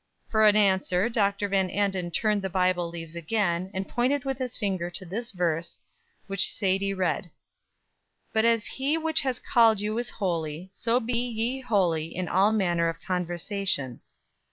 For an answer, Dr. Van Anden turned the Bible leaves again, and pointed with his finger to this verse, which Sadie read: "But as he which has called you is holy, so be ye holy in all manner of conversation."